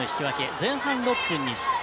前半６分に失点。